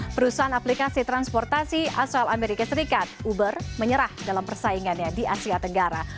perusahaan aplikasi transportasi asal amerika serikat uber menyerah dalam persaingannya di asia tenggara